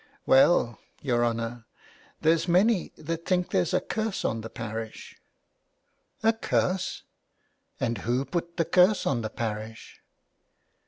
" Well, your honour, there's many that think there's a curse on the parish." " A curse ! And who put the curse on the parish